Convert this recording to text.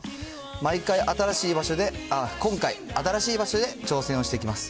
毎回、新しい場所で、今回、新しい場所で挑戦をしてきます。